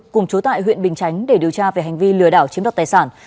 cùng chú tại huyện bình chánh để điều tra về hành vi lừa đảo chiếm đoạt tài sản